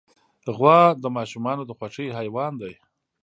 غوا د ماشومانو د خوښې حیوان دی.